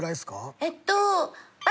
えっと。